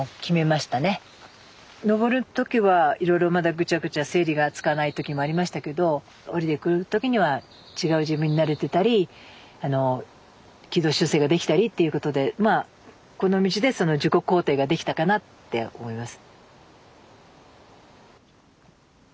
登る時はいろいろまだグチャグチャ整理がつかない時もありましたけど下りてくる時には違う自分になれてたり軌道修正ができたりっていうことでこの道で自己肯定ができたかなって思います。